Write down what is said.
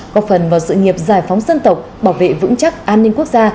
góp phần vào sự nghiệp giải phóng dân tộc bảo vệ vững chắc an ninh quốc gia